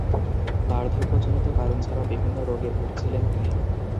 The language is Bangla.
বার্ধক্যজনিত কারণ ছাড়াও বিভিন্ন রোগে ভুগছিলেন তিনি।